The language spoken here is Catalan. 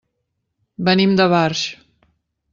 Venim de Barx.